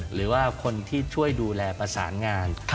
หรือว่าคนที่ช่วยดูแลประสานงาน